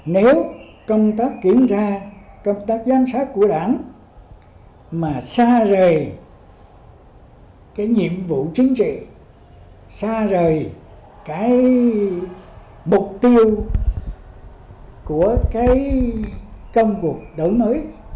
nếu công tác kiểm tra công tác giám sát của đảng mà xa rời cái nhiệm vụ chính trị xa rời cái mục tiêu của cái công cuộc đổi mới